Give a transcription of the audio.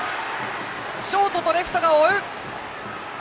ショートとレフトが追う！